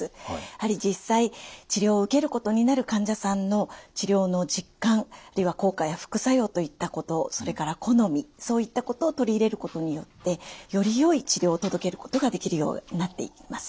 やはり実際治療を受けることになる患者さんの治療の実感あるいは効果や副作用といったことそれから好みそういったことを取り入れることによってよりよい治療を届けることができるようになっています。